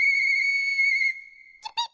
チュピッ。